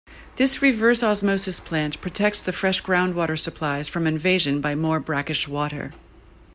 This reverse-osmosis plant protects the fresh groundwater supplies from invasion by more brackish water.